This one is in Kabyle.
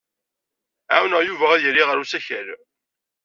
Ɛawneɣ Yuba ad yali ɣer usakal.